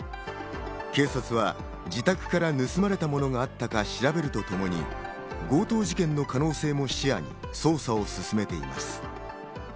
警察は自宅から盗まれたものがあったか調べるとともに、強盗事件の可能性も視野に捜査を進めています。